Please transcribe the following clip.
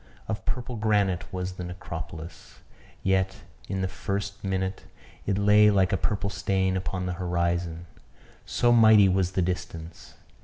Of purple granite was the necropolis; yet, in the first minute, it lay like a purple stain upon the horizon so mighty was the distance.